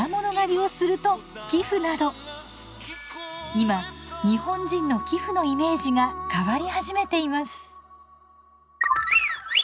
今日本人の寄付のイメージが変わり始めています。